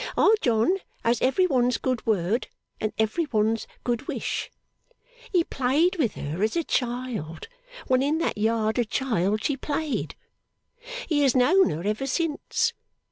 Our John has every one's good word and every one's good wish. He played with her as a child when in that yard a child she played. He has known her ever since.